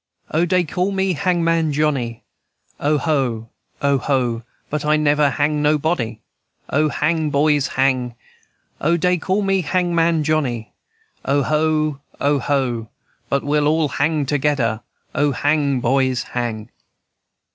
"O, dey call me Hangman Johnny! O, ho! O, ho! But I never hang nobody, O, hang, boys, hang! O dey, call me Hangman Johnny! O, ho! O, ho! But we'll all hang togedder, O, hang, boys, hang!"